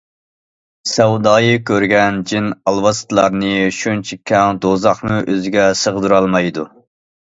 سەۋدايى كۆرگەن جىن- ئالۋاستىلارنى شۇنچە كەڭ دوزاخمۇ ئۆزىگە سىغدۇرالمايدۇ.